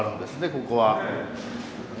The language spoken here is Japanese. ここは。へ。